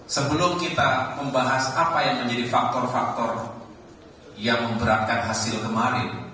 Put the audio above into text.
sebelum kita membahas apa yang menjadi faktor faktor yang memberatkan hasil kemarin